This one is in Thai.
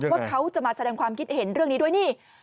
ว่าเขาจะมาแสดงความคิดเห็นเรื่องนี้ด้วยนี่